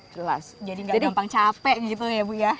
jadi gak gampang capek gitu ya bu ya